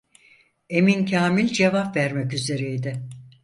Emin Kâmil cevap vermek üzereydi.